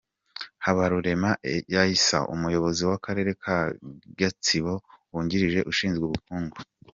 Habarurema Isae, umuyobozi w’akarere ka Gatsibo wungirije ushinzwe ubukungu.